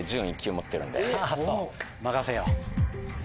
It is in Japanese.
任せよう。